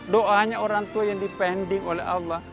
doanya orang tua yang dipending oleh allah